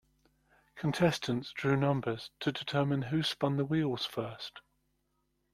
Contestants drew numbers to determine who spun the wheels first.